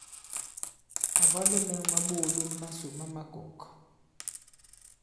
Màbwalo mɛ̄ŋ ma ɓoòlom masò ma makɔ̀k.